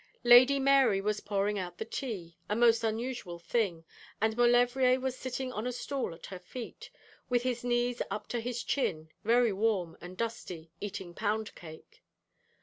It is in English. Lady Mary was pouring out the tea, a most unusual thing; and Maulevrier was sitting on a stool at her feet, with his knees up to his chin, very warm and dusty, eating pound cake.